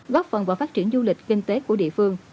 góp phần vào phát triển du lịch kinh tế của địa phương